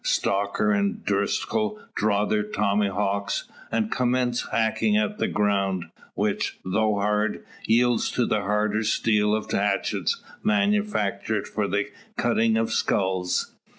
Stocker and Driscoll draw their tomahawks, and commence hacking at the ground; which, though hard, yields to the harder steel of hatchets manufactured for the cutting of skulls.